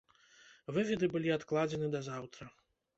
Выведы былі адкладзены да заўтра.